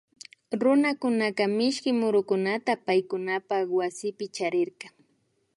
Runakunaka mishki murukunata paykunapak waspi charirka